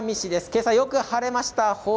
今朝はよく晴れました。